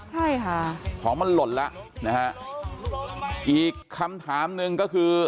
ใช่ค่ะของมันหล่นแล้วนะฮะอีกคำถามหนึ่งก็คือ